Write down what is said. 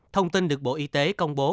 thông tin được bộ y tế công bố